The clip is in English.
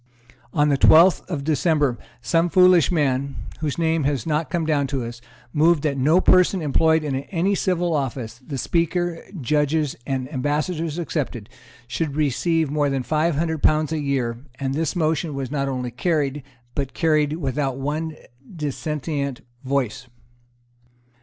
On the twelfth of December, some foolish man, whose name has not come down to us, moved that no person employed in any civil office, the Speaker, Judges and Ambassadors excepted, should receive more than five hundred pounds a year; and this motion was not only carried, but carried without one dissentient voice.